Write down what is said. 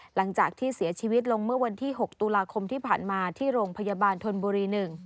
หลังจากที่เสียชีวิตลงเมื่อวันที่๖ตุลาคมที่ผ่านมาที่โรงพยาบาลธนบุรี๑